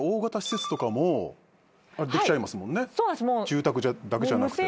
住宅だけじゃなくてね。